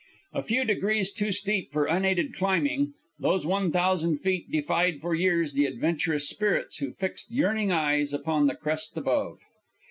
A few degrees too steep for unaided climbing, these one thousand feet defied for years the adventurous spirits who fixed yearning eyes upon the crest above.